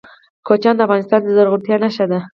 کوچیان د افغانستان د زرغونتیا نښه ده.